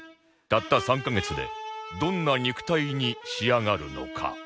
たった３カ月でどんな肉体に仕上がるのか？